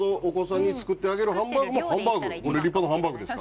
お子さんに作ってあげるハンバーグもハンバーグ。